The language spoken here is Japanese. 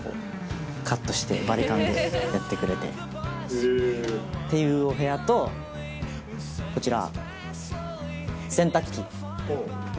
この鏡は。っていうお部屋とこちら。